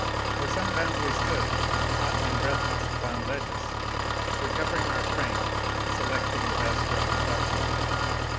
Or sometimes we stood, hot and breathless, upon ledges, recovering our strength, selecting the best route upward.